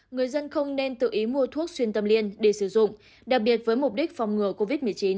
người dân không nên tự ý mua thuốc xuyên tâm liên để sử dụng đặc biệt với mục đích phòng ngừa covid một mươi chín